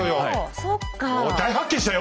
おっ大発見したよ！